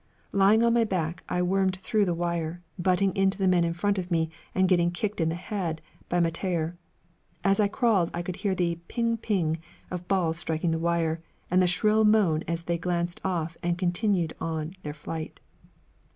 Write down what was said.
Lying on my back, I wormed through the wire, butting into the men in front of me and getting kicked in the head by Mettayer. As I crawled I could hear the ping ping of balls striking the wire, and the shrill moan as they glanced off and continued on their flight.